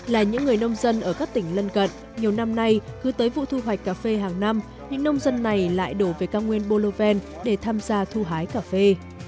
là những người nông dân ở các tỉnh lân cận nhiều năm nay cứ tới vụ thu hoạch cà phê hàng năm những nông dân này lại đổ về cao nguyên boloven để tham gia thu hái cà phê